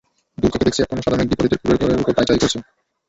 দূর থেকে দেখছি একখণ্ড সাদা মেঘ দীপালিদের কুড়ে ঘরের ওপর পায়চারি করছে।